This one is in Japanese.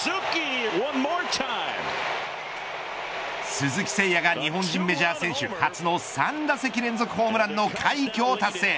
鈴木誠也が、日本人メジャー選手初の３打席連続ホームランの快挙を達成。